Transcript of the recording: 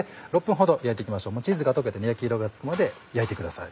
チーズが溶けて焼き色がつくまで焼いてください。